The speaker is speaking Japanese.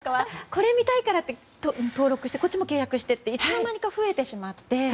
私もサブスクリプションなんかはこれ見たいからって登録してこっちも契約してっていつの間にか増えてしまって。